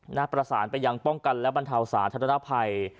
หน้าประสานไปยังป้องกันและบรรเทาสาธารณภัย